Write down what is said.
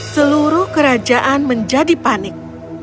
seluruh kerajaan menjadi panik